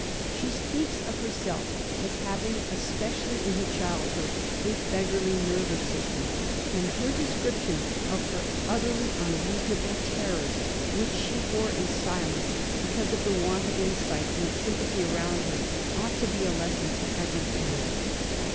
She speaks of herself as having, especially in her childhood, "a beggarly nervous system"; and her description of her utterly unreasonable terrors, which she bore in silence, because of the want of insight and sympathy around her, ought to be a lesson to every parent.